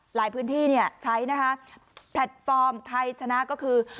หลายพื้นที่เนี่ยใช้นะคะแพลตฟอร์มไทยชนะก็คือ